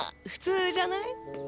普通じゃない？